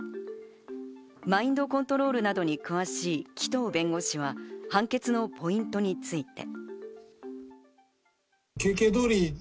マインドコントロールなどに詳しい紀藤弁護士は判決のポイントについて。